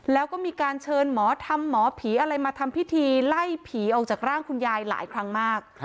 แล้วก็มีการเชิญหมอธรรมหมอผีอะไรมาทำพิธีไล่ผีออกจากร่างคุณยายหลายครั้งมาก